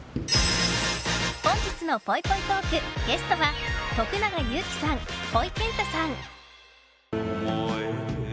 本日のぽいぽいトークゲストは徳永ゆうきさん、ほいけんたさん。